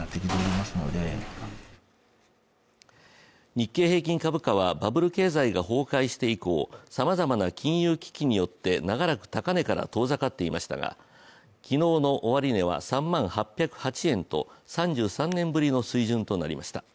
日経平均株価はバブル経済が崩壊して以降さまざまな金融危機によって長らく高値から遠ざかっていましたが昨日の終値は３万８０８円と３３年ぶりの水準となりました。